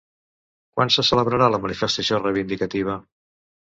Quan se celebrarà la manifestació reivindicativa?